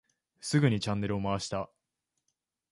すぐにチャンネルを回した。